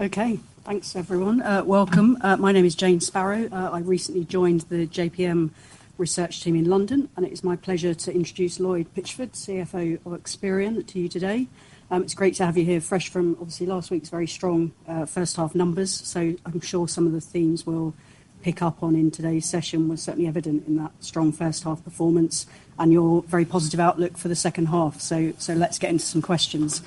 Okay, thanks everyone. Welcome. My name is Jane Sparrow. I recently joined the JPMorgan research team in London, and it is my pleasure to introduce Lloyd Pitchford, CFO of Experian, to you today. It's great to have you here. Fresh from, obviously, last week's very strong first half numbers, so I'm sure some of the themes we'll pick up on in today's session were certainly evident in that strong first half performance and your very positive outlook for the second half. Let's get into some questions.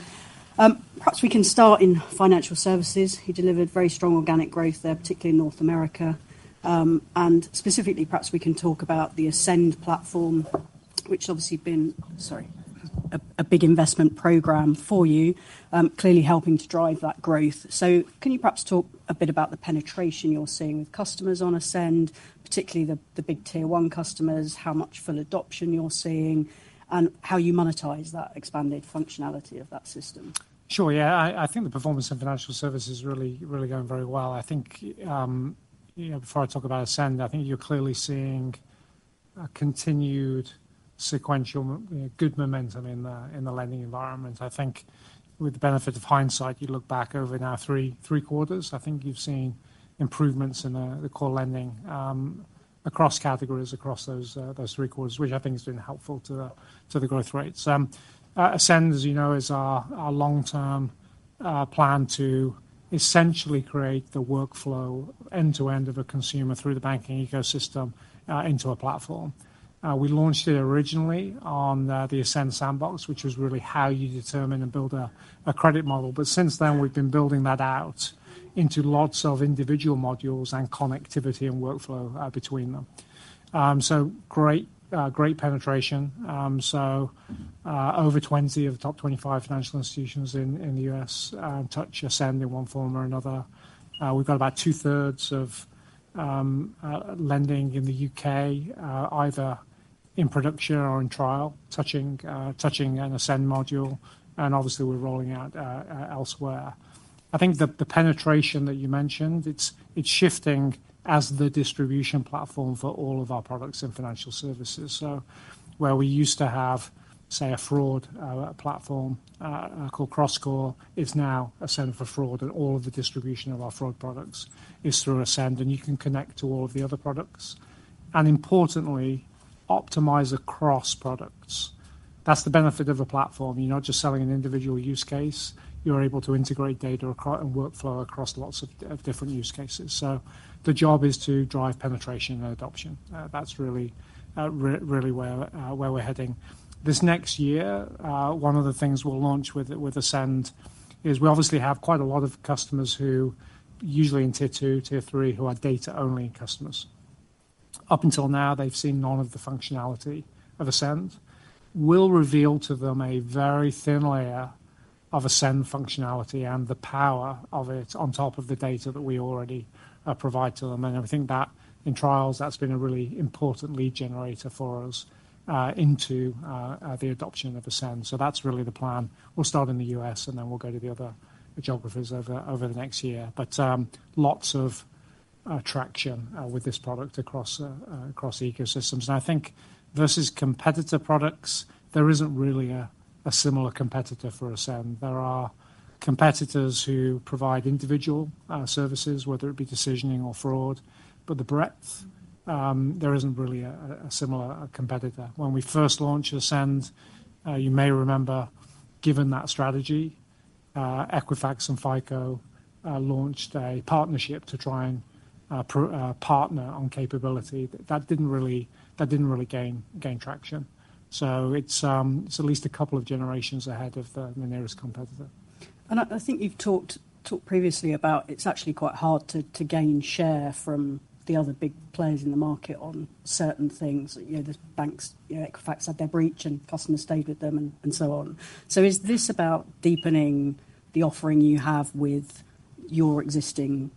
Perhaps we can start in financial services. You delivered very strong organic growth there, particularly in North America. Specifically, perhaps we can talk about the Ascend platform, which has obviously been a big investment program for you, clearly helping to drive that growth. Can you perhaps talk a bit about the penetration you're seeing with customers on Ascend, particularly the big tier one customers, how much full adoption you're seeing, and how you monetize that expanded functionality of that system? Sure, yeah. I think the performance of financial services is really going very well. I think before I talk about Ascend, I think you're clearly seeing a continued sequential good momentum in the lending environment. I think with the benefit of hindsight, you look back over now three quarters, I think you've seen improvements in the core lending across categories across those three quarters, which I think has been helpful to the growth rates. Ascend, as you know, is our long-term plan to essentially create the workflow end to end of a consumer through the banking ecosystem into a platform. We launched it originally on the Ascend Sandbox, which was really how you determine and build a credit model. Since then, we've been building that out into lots of individual modules and connectivity and workflow between them. Great penetration. Over 20 of the top 25 financial institutions in the U.S. touch Ascend in one form or another. We've got about 2/3 of lending in the U.K. either in production or in trial, touching an Ascend module. Obviously, we're rolling out elsewhere. I think the penetration that you mentioned, it's shifting as the distribution platform for all of our products and financial services. Where we used to have, say, a fraud platform called CrossCore, it's now a center for fraud, and all of the distribution of our fraud products is through Ascend, and you can connect to all of the other products. Importantly, optimize across products. That's the benefit of a platform. You're not just selling an individual use case. You're able to integrate data and workflow across lots of different use cases. The job is to drive penetration and adoption. That's really where we're heading. This next year, one of the things we'll launch with Ascend is we obviously have quite a lot of customers who usually in tier two, tier three, who are data-only customers. Up until now, they've seen none of the functionality of Ascend. We'll reveal to them a very thin layer of Ascend functionality and the power of it on top of the data that we already provide to them. I think that in trials, that's been a really important lead generator for us into the adoption of Ascend. That's really the plan. We'll start in the U.S., and then we'll go to the other geographies over the next year. Lots of traction with this product across ecosystems. I think versus competitor products, there isn't really a similar competitor for Ascend. There are competitors who provide individual services, whether it be decisioning or fraud. The breadth, there isn't really a similar competitor. When we first launched Ascend, you may remember, given that strategy, Equifax and FICO launched a partnership to try and partner on capability. That didn't really gain traction. It is at least a couple of generations ahead of the nearest competitor. I think you've talked previously about it's actually quite hard to gain share from the other big players in the market on certain things. The banks, Equifax had their breach and customers stayed with them and so on. Is this about deepening the offering you have with your existing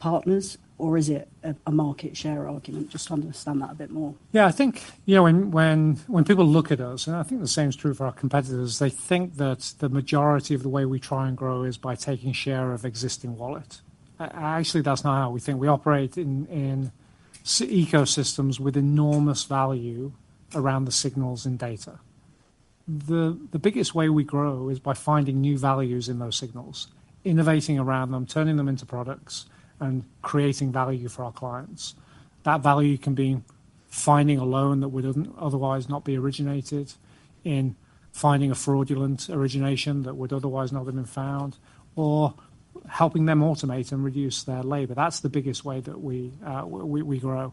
partners, or is it a market share argument? Just to understand that a bit more. Yeah, I think when people look at us, and I think the same is true for our competitors, they think that the majority of the way we try and grow is by taking share of existing wallet. Actually, that's not how we think. We operate in ecosystems with enormous value around the signals and data. The biggest way we grow is by finding new values in those signals, innovating around them, turning them into products, and creating value for our clients. That value can be finding a loan that would otherwise not be originated in, finding a fraudulent origination that would otherwise not have been found, or helping them automate and reduce their labor. That's the biggest way that we grow.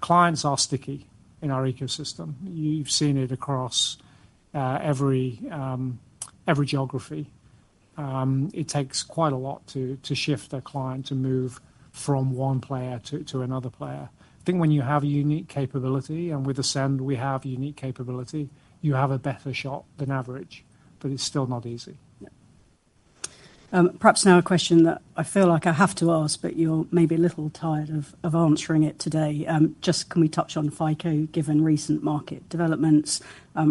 Clients are sticky in our ecosystem. You've seen it across every geography. It takes quite a lot to shift a client to move from one player to another player. I think when you have a unique capability, and with Ascend, we have unique capability, you have a better shot than average, but it's still not easy. Perhaps now a question that I feel like I have to ask, but you're maybe a little tired of answering it today. Just can we touch on FICO, given recent market developments?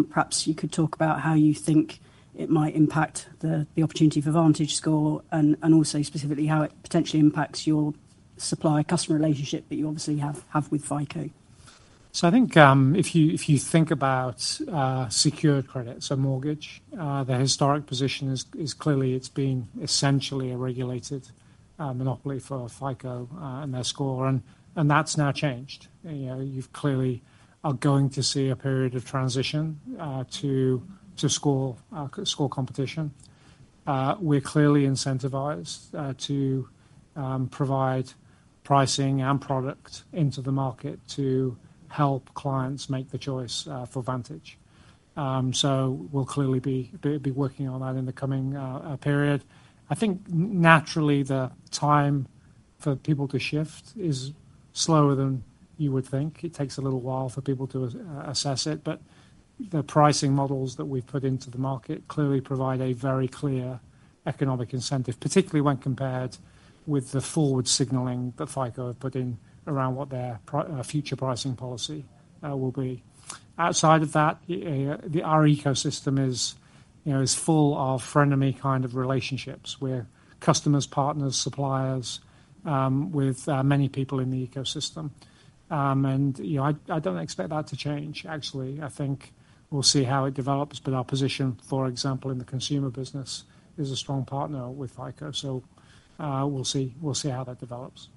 Perhaps you could talk about how you think it might impact the opportunity for VantageScore and also specifically how it potentially impacts your supplier-customer relationship that you obviously have with FICO. I think if you think about secured credit, so mortgage, the historic position is clearly it's been essentially a regulated monopoly for FICO and their score. That's now changed. You clearly are going to see a period of transition to score competition. We're clearly incentivized to provide pricing and product into the market to help clients make the choice for Vantage. We'll clearly be working on that in the coming period. I think naturally the time for people to shift is slower than you would think. It takes a little while for people to assess it. The pricing models that we've put into the market clearly provide a very clear economic incentive, particularly when compared with the forward signaling that FICO have put in around what their future pricing policy will be. Outside of that, our ecosystem is full of frenemy kind of relationships with customers, partners, suppliers, with many people in the ecosystem. I do not expect that to change, actually. I think we'll see how it develops. Our position, for example, in the consumer business is a strong partner with FICO. We will see how that develops.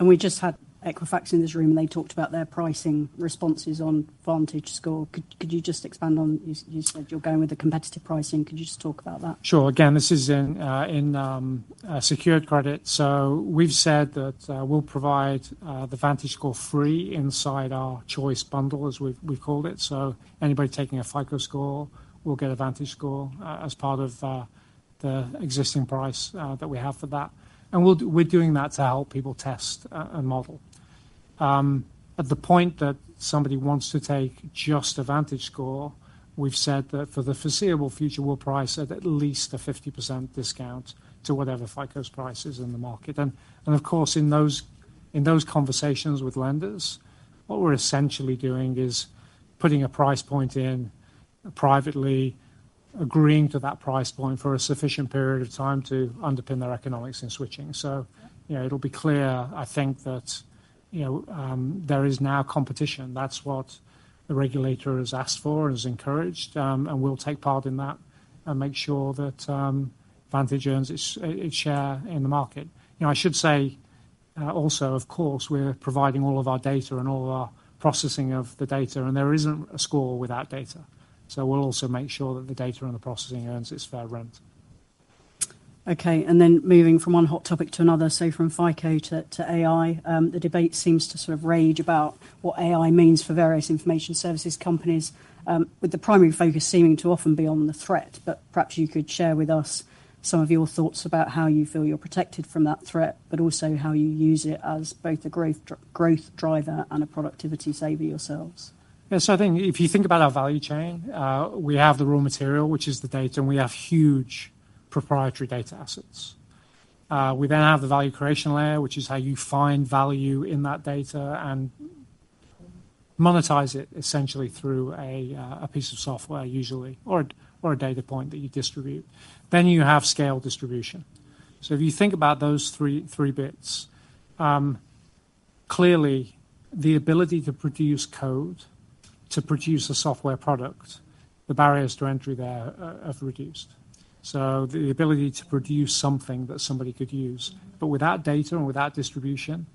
We just had Equifax in this room, and they talked about their pricing responses on VantageScore. Could you just expand on you said you're going with the competitive pricing. Could you just talk about that? Sure. Again, this is in secured credit. We have said that we will provide the VantageScore free inside our choice bundle, as we have called it. Anybody taking a FICO score will get a VantageScore as part of the existing price that we have for that. We are doing that to help people test a model. At the point that somebody wants to take just a VantageScore, we have said that for the foreseeable future, we will price it at at least a 50% discount to whatever FICO's price is in the market. Of course, in those conversations with lenders, what we are essentially doing is putting a price point in privately, agreeing to that price point for a sufficient period of time to underpin their economics in switching. It will be clear, I think, that there is now competition. That is what the regulator has asked for and has encouraged. We will take part in that and make sure that Vantage earns its share in the market. I should say also, of course, we are providing all of our data and all of our processing of the data, and there is not a score without data. We will also make sure that the data and the processing earns its fair rent. Okay. Moving from one hot topic to another, from FICO to AI, the debate seems to sort of rage about what AI means for various information services companies, with the primary focus seeming to often be on the threat. Perhaps you could share with us some of your thoughts about how you feel you're protected from that threat, but also how you use it as both a growth driver and a productivity saver yourselves. Yeah. I think if you think about our value chain, we have the raw material, which is the data, and we have huge proprietary data assets. We then have the value creation layer, which is how you find value in that data and monetize it essentially through a piece of software, usually, or a data point that you distribute. You then have scale distribution. If you think about those three bits, clearly, the ability to produce code, to produce a software product, the barriers to entry there have reduced. The ability to produce something that somebody could use. Without data and without distribution,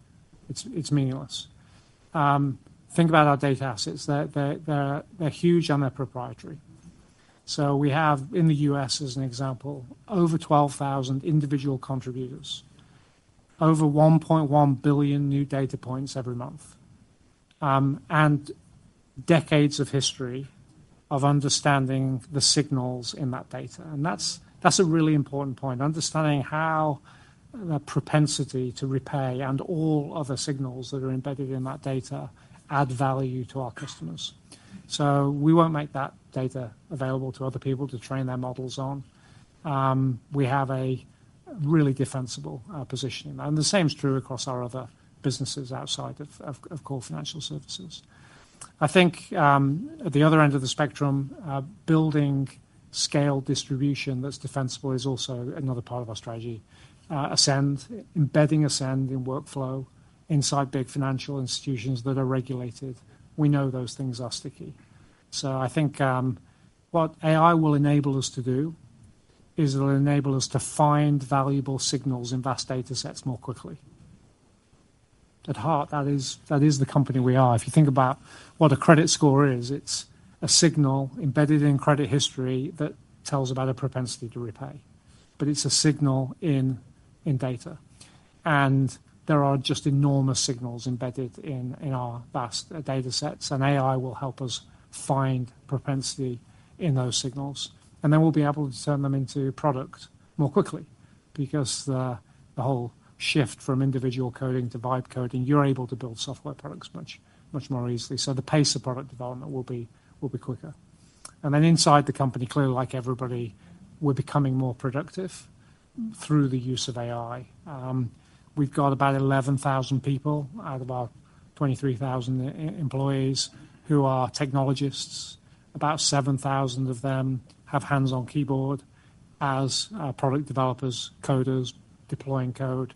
it's meaningless. Think about our data assets. They're huge and they're proprietary. We have, in the U.S., as an example, over 12,000 individual contributors, over 1.1 billion new data points every month, and decades of history of understanding the signals in that data. That is a really important point, understanding how the propensity to repay and all other signals that are embedded in that data add value to our customers. We will not make that data available to other people to train their models on. We have a really defensible position in that. The same is true across our other businesses outside of core financial services. I think at the other end of the spectrum, building scale distribution that is defensible is also another part of our strategy. Ascend, embedding Ascend in workflow inside big financial institutions that are regulated, we know those things are sticky. I think what AI will enable us to do is it'll enable us to find valuable signals in vast data sets more quickly. At heart, that is the company we are. If you think about what a credit score is, it's a signal embedded in credit history that tells about a propensity to repay. It's a signal in data. There are just enormous signals embedded in our vast data sets. AI will help us find propensity in those signals. We'll be able to turn them into product more quickly because the whole shift from individual coding to vibe coding, you're able to build software products much more easily. The pace of product development will be quicker. Inside the company, clearly, like everybody, we're becoming more productive through the use of AI. We've got about 11,000 people out of our 23,000 employees who are technologists. About 7,000 of them have hands on keyboard as product developers, coders, deploying code.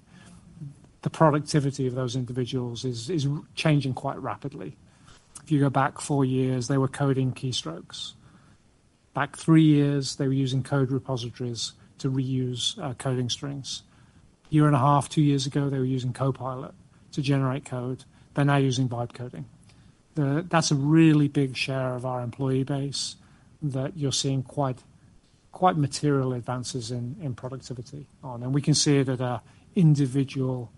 The productivity of those individuals is changing quite rapidly. If you go back four years, they were coding keystrokes. Back three years, they were using code repositories to reuse coding strings. A year and a half, two years ago, they were using Copilot to generate code. They're now using vibe coding. That's a really big share of our employee base that you're seeing quite material advances in productivity on. We can see it at an individual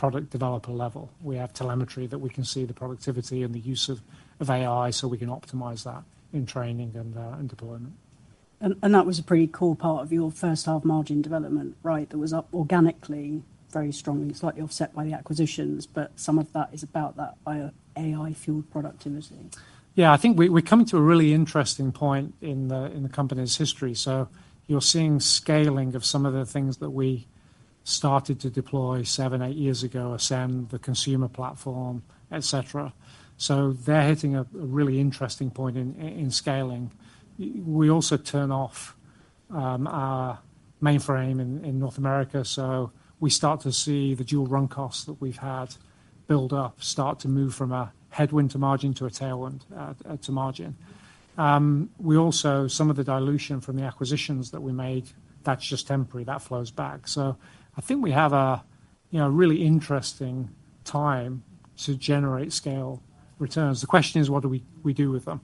product developer level. We have telemetry that we can see the productivity and the use of AI, so we can optimize that in training and deployment. That was a pretty core part of your first half margin development, right? That was up organically, very strongly, slightly offset by the acquisitions, but some of that is about that AI-fueled productivity. Yeah, I think we're coming to a really interesting point in the company's history. You're seeing scaling of some of the things that we started to deploy seven, eight years ago, Ascend, the consumer platform, etc. They're hitting a really interesting point in scaling. We also turn off our mainframe in North America. We start to see the dual run costs that we've had build up start to move from a headwind to margin to a tailwind to margin. Some of the dilution from the acquisitions that we made, that's just temporary. That flows back. I think we have a really interesting time to generate scale returns. The question is, what do we do with them?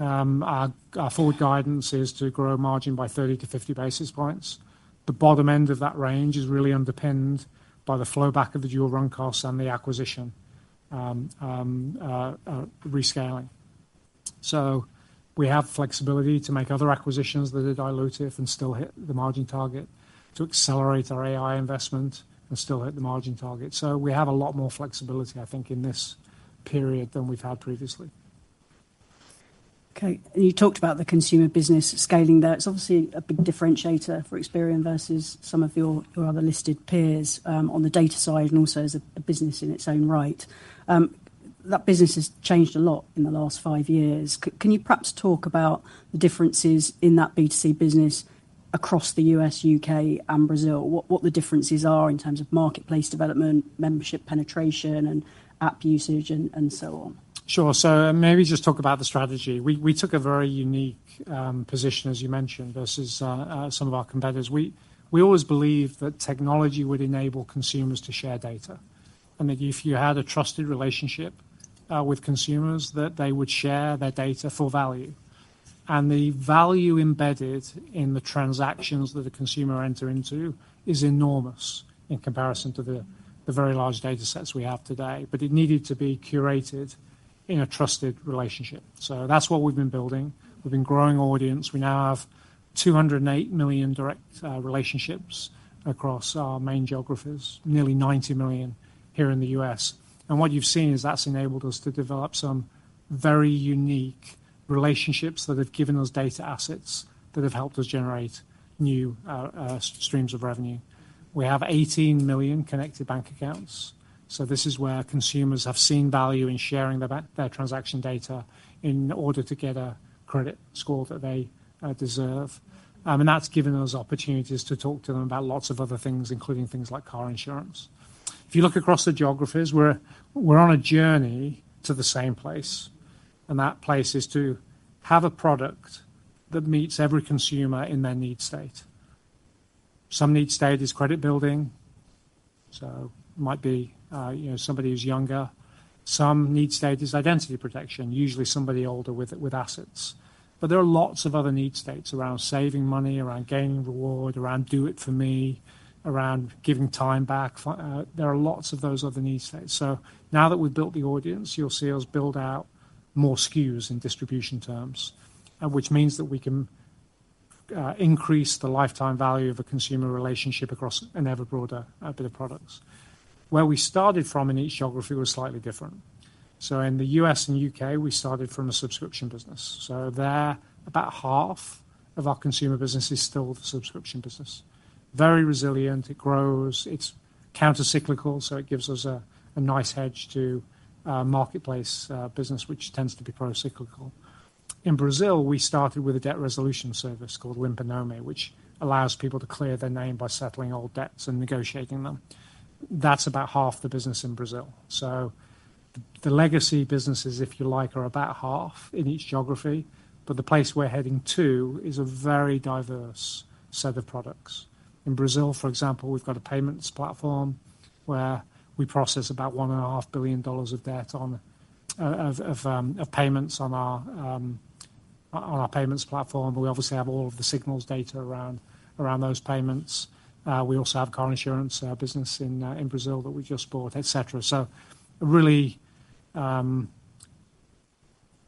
Our forward guidance is to grow margin by 30-50 basis points. The bottom end of that range is really underpinned by the flowback of the dual run costs and the acquisition rescaling. We have flexibility to make other acquisitions that are dilutive and still hit the margin target, to accelerate our AI investment and still hit the margin target. We have a lot more flexibility, I think, in this period than we've had previously. Okay. You talked about the consumer business scaling there. It's obviously a big differentiator for Experian versus some of your other listed peers on the data side and also as a business in its own right. That business has changed a lot in the last five years. Can you perhaps talk about the differences in that B2C business across the U.S., U.K., and Brazil? What the differences are in terms of marketplace development, membership penetration, and app usage, and so on? Sure. Maybe just talk about the strategy. We took a very unique position, as you mentioned, versus some of our competitors. We always believed that technology would enable consumers to share data. If you had a trusted relationship with consumers, they would share their data for value. The value embedded in the transactions that a consumer enters into is enormous in comparison to the very large data sets we have today. It needed to be curated in a trusted relationship. That is what we have been building. We have been growing audience. We now have 208 million direct relationships across our main geographies, nearly 90 million here in the U.S. What you have seen is that has enabled us to develop some very unique relationships that have given us data assets that have helped us generate new streams of revenue. We have 18 million connected bank accounts. This is where consumers have seen value in sharing their transaction data in order to get a credit score that they deserve. That has given us opportunities to talk to them about lots of other things, including things like car insurance. If you look across the geographies, we're on a journey to the same place. That place is to have a product that meets every consumer in their need state. Some need state is credit building. It might be somebody who's younger. Some need state is identity protection, usually somebody older with assets. There are lots of other need states around saving money, around gaining reward, around do it for me, around giving time back. There are lots of those other need states. Now that we've built the audience, you'll see us build out more SKUs in distribution terms, which means that we can increase the lifetime value of a consumer relationship across an ever broader bit of products. Where we started from in each geography was slightly different. In the U.S. and U.K., we started from a subscription business. There, about half of our consumer business is still the subscription business. Very resilient. It grows. It's countercyclical, so it gives us a nice hedge to marketplace business, which tends to be procyclical. In Brazil, we started with a debt resolution service called Limponome, which allows people to clear their name by settling old debts and negotiating them. That's about half the business in Brazil. The legacy businesses, if you like, are about half in each geography. The place we're heading to is a very diverse set of products. In Brazil, for example, we've got a payments platform where we process about $1.5 billion of payments on our payments platform. We obviously have all of the signals data around those payments. We also have a car insurance business in Brazil that we just bought, etc. A really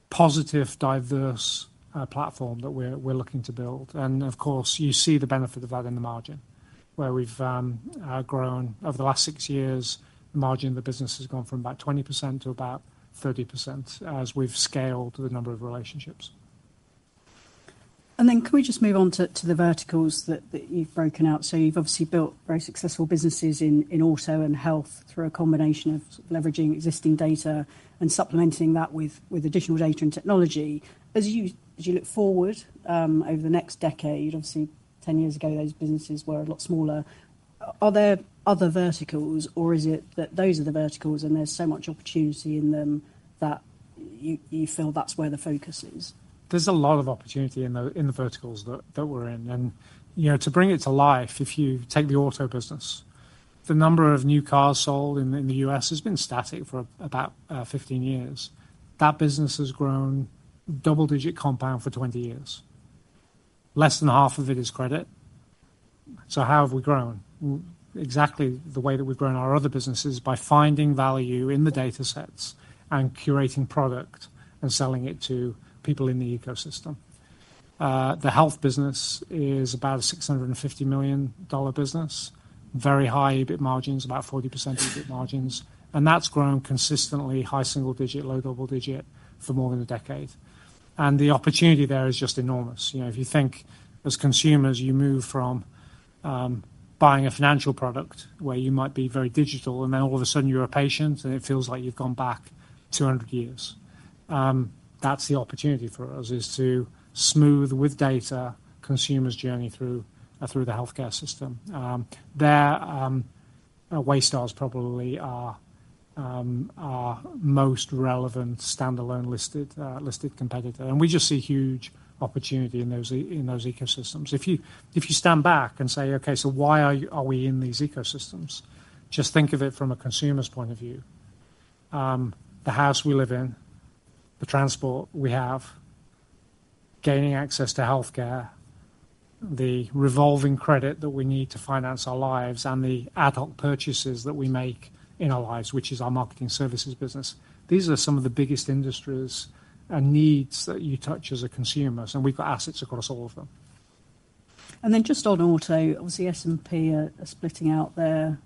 positive, diverse platform that we're looking to build. Of course, you see the benefit of that in the margin, where we've grown over the last six years. The margin of the business has gone from about 20% to about 30% as we've scaled the number of relationships. Can we just move on to the verticals that you've broken out? You've obviously built very successful businesses in auto and health through a combination of leveraging existing data and supplementing that with additional data and technology. As you look forward over the next decade, obviously, 10 years ago, those businesses were a lot smaller. Are there other verticals, or is it that those are the verticals and there's so much opportunity in them that you feel that's where the focus is? There's a lot of opportunity in the verticals that we're in. To bring it to life, if you take the auto business, the number of new cars sold in the U.S. has been static for about 15 years. That business has grown double-digit compound for 20 years. Less than half of it is credit. How have we grown? Exactly the way that we've grown our other businesses is by finding value in the data sets and curating product and selling it to people in the ecosystem. The health business is about a $650 million business, very high EBIT margins, about 40% EBIT margins. That's grown consistently, high single digit, low double digit for more than a decade. The opportunity there is just enormous. If you think as consumers, you move from buying a financial product where you might be very digital, and then all of a sudden you're a patient and it feels like you've gone back 200 years. That's the opportunity for us is to smooth with data consumers' journey through the healthcare system. There, Waystar is probably our most relevant standalone listed competitor. We just see huge opportunity in those ecosystems. If you stand back and say, "Okay, so why are we in these ecosystems?" Just think of it from a consumer's point of view. The house we live in, the transport we have, gaining access to healthcare, the revolving credit that we need to finance our lives, and the adult purchases that we make in our lives, which is our marketing services business. These are some of the biggest industries and needs that you touch as a consumer. We have assets across all of them. Just on auto, obviously S&P are splitting out their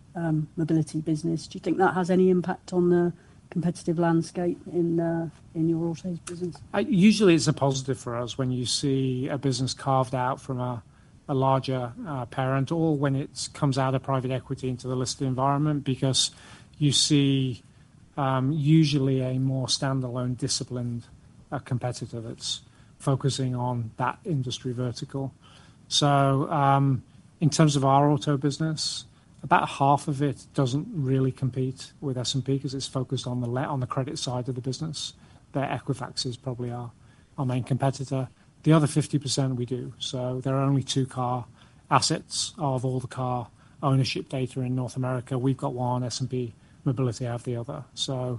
mobility business. Do you think that has any impact on the competitive landscape in your auto business? Usually, it's a positive for us when you see a business carved out from a larger parent or when it comes out of private equity into the listed environment because you see usually a more standalone, disciplined competitor that's focusing on that industry vertical. In terms of our auto business, about half of it doesn't really compete with S&P because it's focused on the credit side of the business. Equifax is probably our main competitor. The other 50% we do. There are only two car assets of all the car ownership data in North America. We've got one, S&P Mobility out of the other. We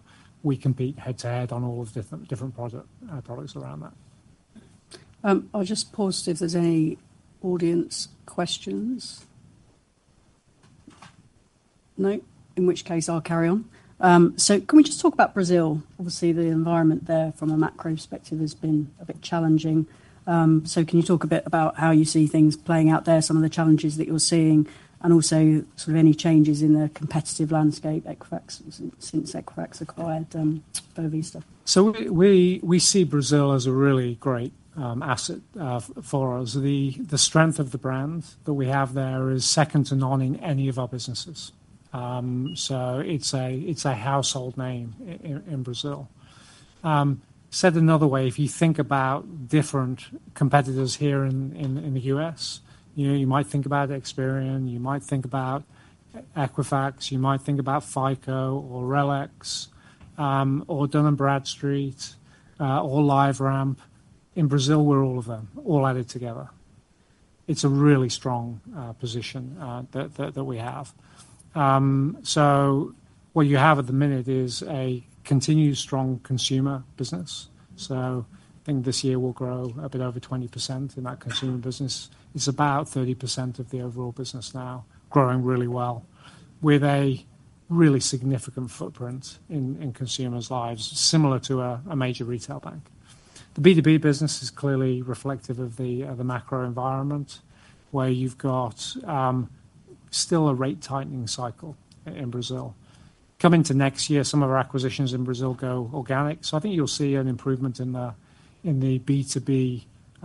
compete head to head on all of the different products around that. I'll just pause if there's any audience questions. No? In which case, I'll carry on. Can we just talk about Brazil? Obviously, the environment there from a macro perspective has been a bit challenging. Can you talk a bit about how you see things playing out there, some of the challenges that you're seeing, and also sort of any changes in the competitive landscape since Equifax acquired Bovista? We see Brazil as a really great asset for us. The strength of the brand that we have there is second to none in any of our businesses. It is a household name in Brazil. Said another way, if you think about different competitors here in the U.S., you might think about Experian, you might think about Equifax, you might think about FICO or Dun & Bradstreet or LiveRamp. In Brazil, we are all of them, all added together. It is a really strong position that we have. What you have at the minute is a continued strong consumer business. I think this year we will grow a bit over 20% in that consumer business. It is about 30% of the overall business now, growing really well with a really significant footprint in consumers' lives, similar to a major retail bank. The B2B business is clearly reflective of the macro environment where you've got still a rate tightening cycle in Brazil. Coming to next year, some of our acquisitions in Brazil go organic. I think you'll see an improvement in the B2B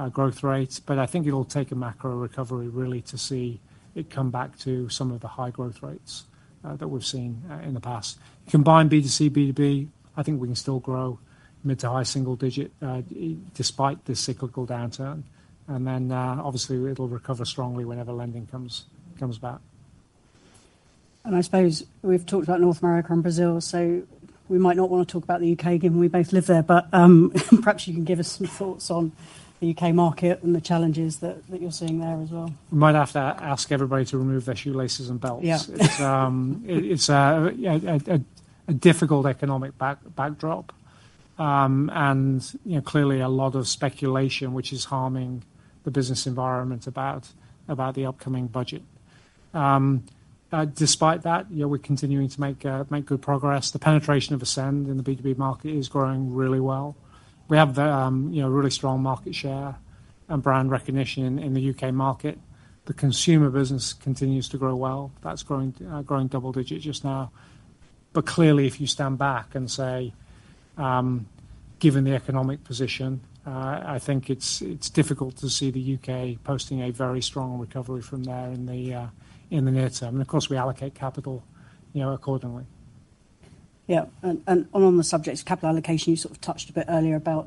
growth rate. I think it'll take a macro recovery really to see it come back to some of the high growth rates that we've seen in the past. Combine B2C, B2B, I think we can still grow mid to high single digit despite the cyclical downturn. Obviously it'll recover strongly whenever lending comes back. I suppose we've talked about North America and Brazil. We might not want to talk about the U.K. given we both live there. Perhaps you can give us some thoughts on the U.K. market and the challenges that you're seeing there as well. We might have to ask everybody to remove their shoelaces and belts. It's a difficult economic backdrop. Clearly a lot of speculation, which is harming the business environment about the upcoming budget. Despite that, we're continuing to make good progress. The penetration of Ascend in the B2B market is growing really well. We have really strong market share and brand recognition in the U.K. market. The consumer business continues to grow well. That's growing double digit just now. If you stand back and say, "Given the economic position, I think it's difficult to see the U.K. posting a very strong recovery from there in the near term." Of course, we allocate capital accordingly. Yeah. On the subject of capital allocation, you sort of touched a bit earlier about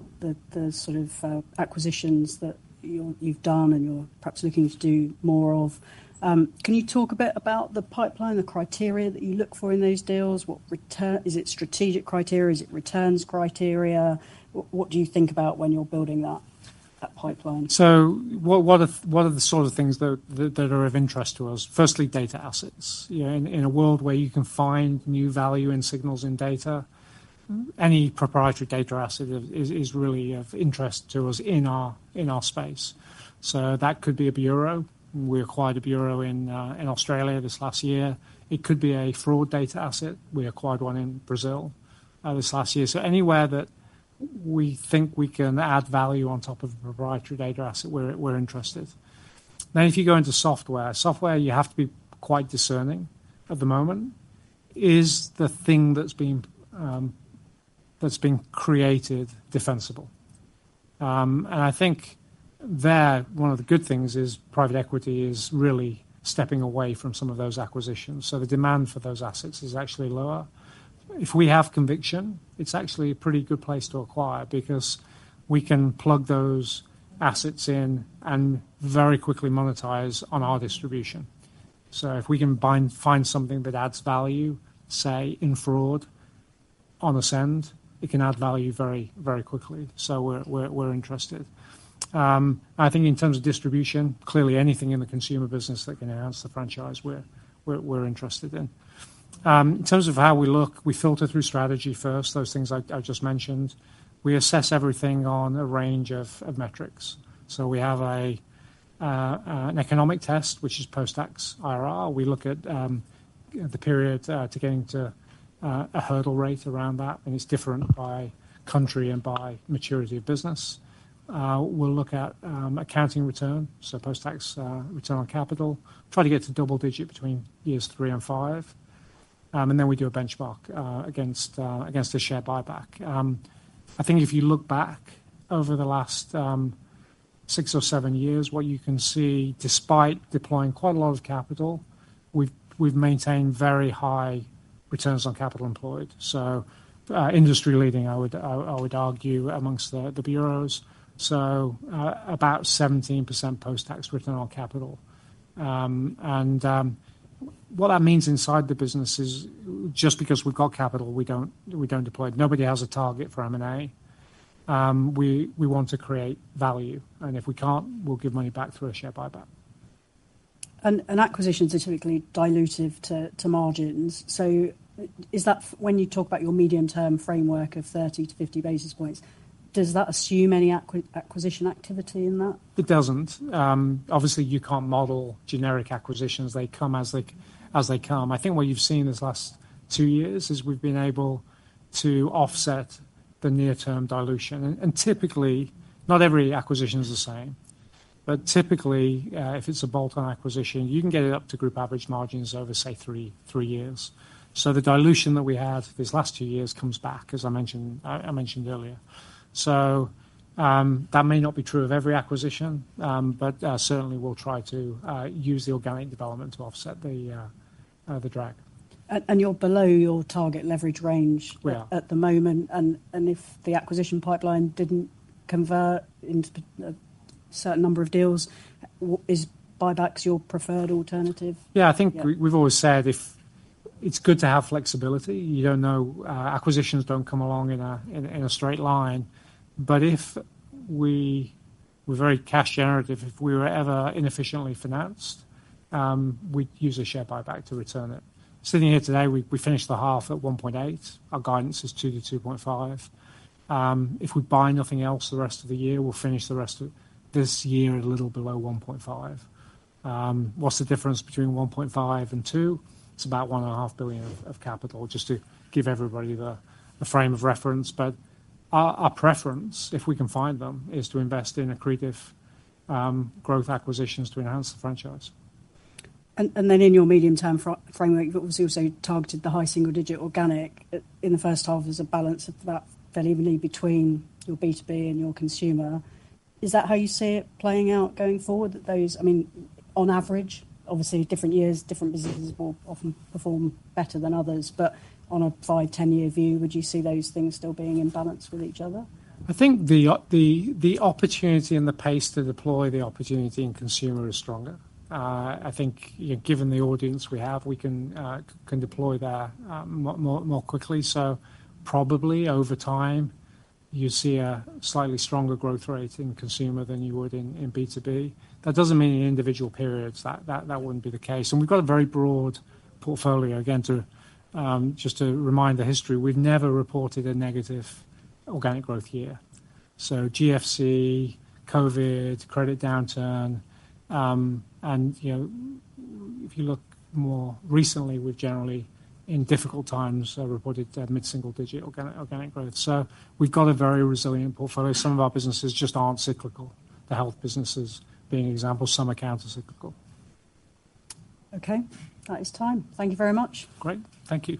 the sort of acquisitions that you've done and you're perhaps looking to do more of. Can you talk a bit about the pipeline, the criteria that you look for in those deals? Is it strategic criteria? Is it returns criteria? What do you think about when you're building that pipeline? What are the sort of things that are of interest to us? Firstly, data assets. In a world where you can find new value in signals in data, any proprietary data asset is really of interest to us in our space. That could be a bureau. We acquired a bureau in Australia this last year. It could be a fraud data asset. We acquired one in Brazil this last year. Anywhere that we think we can add value on top of a proprietary data asset, we're interested. Now, if you go into software, software, you have to be quite discerning at the moment. Is the thing that's been created defensible? I think there one of the good things is private equity is really stepping away from some of those acquisitions. The demand for those assets is actually lower. If we have conviction, it's actually a pretty good place to acquire because we can plug those assets in and very quickly monetize on our distribution. If we can find something that adds value, say, in fraud on Ascend, it can add value very, very quickly. We're interested. I think in terms of distribution, clearly anything in the consumer business that can enhance the franchise, we're interested in. In terms of how we look, we filter through strategy first, those things I just mentioned. We assess everything on a range of metrics. We have an economic test, which is post-tax IRR. We look at the period to getting to a hurdle rate around that. It's different by country and by maturity of business. We'll look at accounting return, so post-tax return on capital, try to get to double digit between years three and five. We do a benchmark against the share buyback. I think if you look back over the last six or seven years, what you can see, despite deploying quite a lot of capital, we've maintained very high returns on capital employed. Industry leading, I would argue, amongst the bureaus. About 17% post-tax return on capital. What that means inside the business is just because we've got capital, we don't deploy. Nobody has a target for M&A. We want to create value. If we can't, we'll give money back through a share buyback. Acquisitions are typically dilutive to margins. When you talk about your medium-term framework of 30-50 basis points, does that assume any acquisition activity in that? It doesn't. Obviously, you can't model generic acquisitions. They come as they come. I think what you've seen this last two years is we've been able to offset the near-term dilution. Typically, not every acquisition is the same. Typically, if it's a bolt-on acquisition, you can get it up to group average margins over, say, three years. The dilution that we had this last two years comes back, as I mentioned earlier. That may not be true of every acquisition, but certainly we'll try to use the organic development to offset the drag. You are below your target leverage range at the moment. If the acquisition pipeline did not convert into a certain number of deals, is buybacks your preferred alternative? Yeah, I think we've always said it's good to have flexibility. You don't know. Acquisitions don't come along in a straight line. If we're very cash generative, if we were ever inefficiently financed, we'd use a share buyback to return it. Sitting here today, we finished the half at 1.8. Our guidance is 2-2.5. If we buy nothing else the rest of the year, we'll finish the rest of this year a little below 1.5. What's the difference between 1.5 and 2? It's about $1.5 billion of capital, just to give everybody the frame of reference. Our preference, if we can find them, is to invest in accretive growth acquisitions to enhance the franchise. In your medium-term framework, you've obviously also targeted the high single digit organic in the first half as a balance of that delivery between your B2B and your consumer. Is that how you see it playing out going forward? I mean, on average, obviously different years, different businesses will often perform better than others. On a 5-10 year view, would you see those things still being in balance with each other? I think the opportunity and the pace to deploy the opportunity in consumer is stronger. I think given the audience we have, we can deploy there more quickly. Probably over time, you see a slightly stronger growth rate in consumer than you would in B2B. That does not mean in individual periods that would not be the case. We have got a very broad portfolio. Again, just to remind the history, we have never reported a negative organic growth year. GFC, COVID, credit downturn. If you look more recently, we have generally in difficult times reported mid-single digit organic growth. We have got a very resilient portfolio. Some of our businesses just are not cyclical. The health businesses being an example, some accounts are cyclical. Okay. That is time. Thank you very much. Great. Thank you.